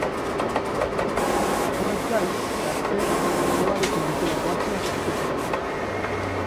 Horrez gain, gazteek alkholarekin duten erlazioaz arituko dira.